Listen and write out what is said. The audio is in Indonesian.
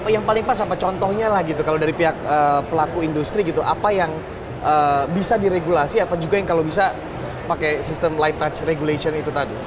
yang paling pas apa contohnya lah gitu kalau dari pihak pelaku industri gitu apa yang bisa diregulasi apa juga yang kalau bisa pakai sistem light touch regulation itu tadi